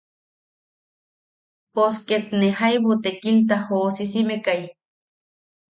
Pos ket ne jaibu tekilta joʼosisimekai.